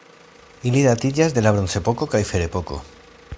Ili datiĝas el la bronzepoko kaj ferepoko.